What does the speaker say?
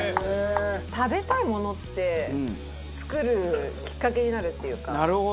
食べたいものって作るきっかけになるっていうか。